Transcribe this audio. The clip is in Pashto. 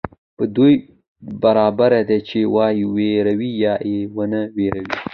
په دوى برابره ده چي وئې وېروې يا ئې ونه وېروې